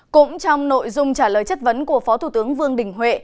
cũng trong nội dung trả lời chất vấn của phó thủ tướng vương đình huệ